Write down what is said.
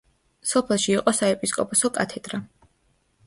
სოფელში იყო საეპისკოპოსო კათედრა.